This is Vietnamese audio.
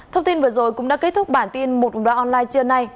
thông tin vừa rồi cũng đã kết thúc bản tin một loạt online trưa nay